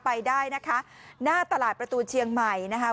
ไปได้นะคะหน้าตลาดประตูเชียงใหม่นะคะ